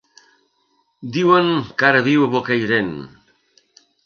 Diuen que ara viu a Bocairent.